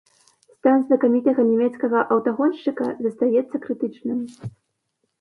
Стан знакамітага нямецкага аўтагоншчыка застаецца крытычным.